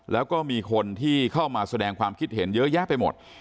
แล้วก็มีคนที่เข้ามาแสดงความคิดเห็นเยอะแยะไปหมด